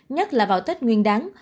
nhất là vào tết nguyên đáng